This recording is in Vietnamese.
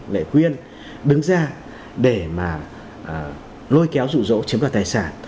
lệ quyên đứng ra để mà lôi kéo dụ dỗ chiếm cả tài sản